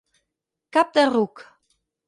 Cap de ruc.